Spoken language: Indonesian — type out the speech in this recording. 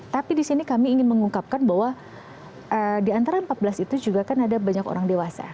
tapi di sini kami ingin mengungkapkan bahwa di antara empat belas itu juga kan ada banyak orang dewasa